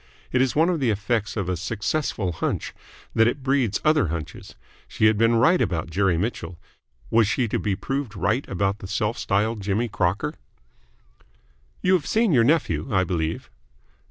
It is one of the effects of a successful hunch that it breeds other hunches. She had been right about Jerry Mitchell; was she to be proved right about the self styled Jimmy Crocker? "You have seen your nephew, I believe?"